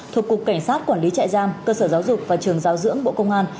thuộc cục cảnh sát quản lý trại giam cơ sở giáo dục và trường giáo dưỡng bộ công an